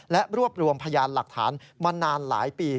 และรวบรวมพยานหลักฐานมานานหลายปี